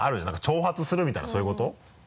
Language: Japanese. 何か挑発するみたいなそういうこと？